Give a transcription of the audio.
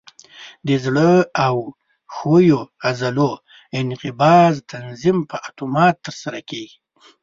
د زړه او ښویو عضلو انقباض تنظیم په اتومات ترسره کېږي.